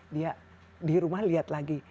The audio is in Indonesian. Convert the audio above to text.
dia di rumah lihat lagi